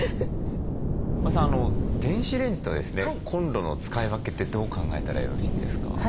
和田さん電子レンジとですねコンロの使い分けってどう考えたらよろしいんですか？